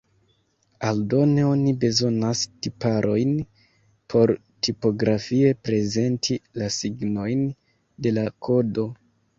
Aldone oni bezonas tiparojn por tipografie prezenti la signojn de la kodo.